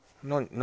何？